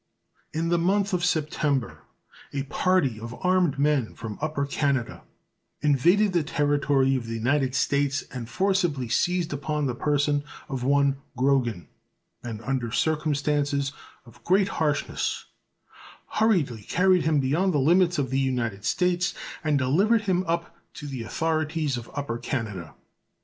In the month of September a party of armed men from Upper Canada invaded the territory of the United States and forcibly seized upon the person of one Grogan, and under circumstances of great harshness hurriedly carried him beyond the limits of the United States and delivered him up to the authorities of Upper Canada.